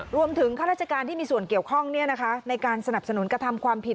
ข้าราชการที่มีส่วนเกี่ยวข้องในการสนับสนุนกระทำความผิด